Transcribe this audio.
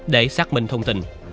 để xác minh đối tượng